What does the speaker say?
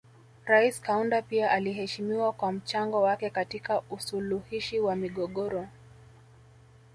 Rais Kaunda pia aliheshimiwa kwa mchango wake katika usuluhishi wa migogoro